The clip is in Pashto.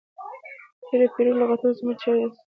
د تیرو پیړیو لغتونه زموږ تاریخي میراث دی.